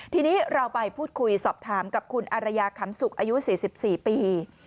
ทีนี้เราไปพูดคุยสอบถามกับคุณอารยาขำสุกอายุ๔๔ปี